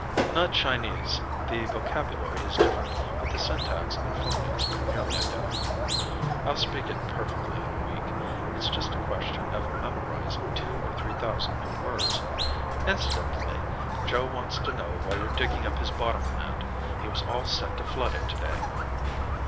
"Not Chinese. The vocabulary is different but the syntax and phonemes are nearly identical. I'll speak it perfectly in a week. It's just a question of memorizing two or three thousand new words. Incidentally, Joe wants to know why you're digging up his bottom land. He was all set to flood it today."